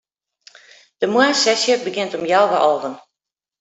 De moarnssesje begjint om healwei alven.